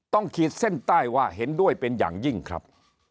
ขีดเส้นใต้ว่าเห็นด้วยเป็นอย่างยิ่งครับ